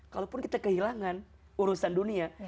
kalaupun kita kehilangan urusan dunia